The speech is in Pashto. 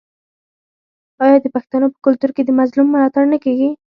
آیا د پښتنو په کلتور کې د مظلوم ملاتړ نه کیږي؟